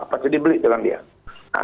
pasti dibeli jalan dia